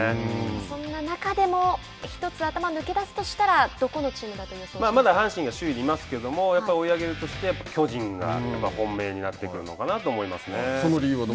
そんな中でも１つ頭抜け出すとしたらまだ阪神が首位にいますけどやっぱり追い上げるとして巨人が本命になってくるのかなとその理由は？